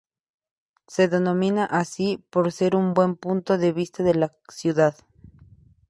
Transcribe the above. Se denomina así por ser un buen punto de vista de la ciudad.